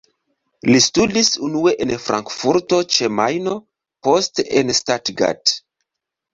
Li studis unue en Frankfurto ĉe Majno, poste en Stuttgart.